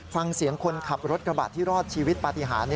ฟังเสียงคนขับรถกระบะที่รอดชีวิตปฏิหาร